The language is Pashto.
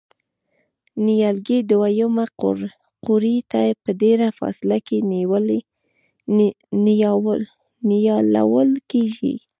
نیالګي دوه یمې قوریې ته په ډېره فاصله کې نیالول کېږي.